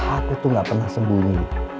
aku tuh gak pernah sembunyi